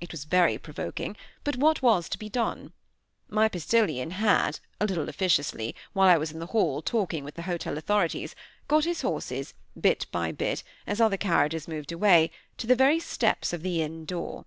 It was very provoking, but what was to be done? My postilion had, a little officiously, while I was in the hall talking with the hotel authorities, got his horses, bit by bit, as other carriages moved away, to the very steps of the inn door.